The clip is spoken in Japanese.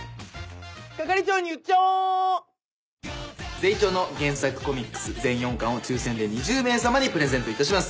『ゼイチョー』の原作コミックス全４巻を抽選で２０名様にプレゼントいたします。